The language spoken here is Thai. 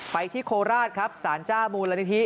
ที่โคราชครับสารเจ้ามูลนิธิ